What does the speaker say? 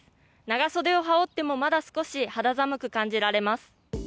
長袖を羽織ってもまだ少し肌寒く感じられます。